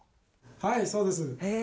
はいそうです。